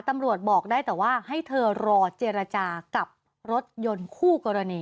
ตำรวจบอกได้แต่ว่าให้เธอรอเจรจากับรถยนต์คู่กรณี